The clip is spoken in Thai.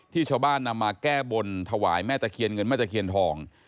ชาวบ้านนำมาแก้บนถวายแม่ตะเคียนเงินแม่ตะเคียนทอง